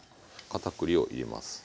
かたくりを入れます。